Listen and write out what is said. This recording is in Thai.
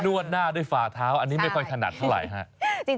วดหน้าด้วยฝ่าเท้าอันนี้ไม่ค่อยถนัดเท่าไหร่ฮะ